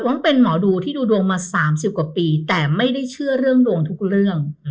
น้องเป็นหมอดูที่ดูดวงมา๓๐กว่าปีแต่ไม่ได้เชื่อเรื่องดวงทุกเรื่อง